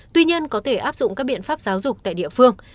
tuy nhiên có thể áp dụng các biện pháp giáo dục tại địa phương